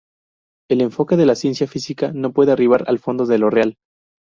El enfoque de la ciencia física no puede arribar al fondo de lo real.